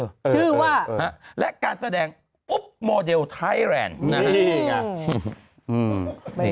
ชื่อว่าและการแสดงอุ๊บโมเดลไทยแลนด์นะฮะนี่ไง